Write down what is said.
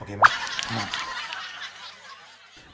อันนี้คืออันนี้คือ